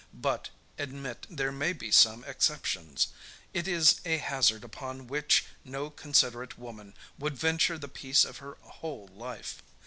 But, admit there may be some exceptions, it is a hazard upon which no considerate woman would venture the peace of her whole life.